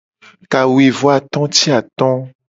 Kawuivoato ti ato.